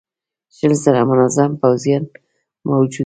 شل زره منظم پوځيان موجود ول.